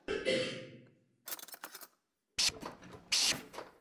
Jméno její matky není známé.